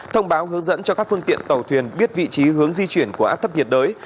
thông báo hướng dẫn cho các phương tiện tàu thuyền biết vị trí hướng di chuyển của áp thấp nhiệt đới